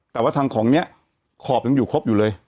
แต่ว่าทางของนี้ขอบยังอยู่ครบอยู่เลย